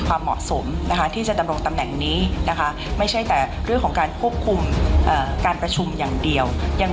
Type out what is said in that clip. เราประสบประโยคตำแหน่งที่ไม่ใช่แก่หรือการควบคุมประชุมอย่างเดียว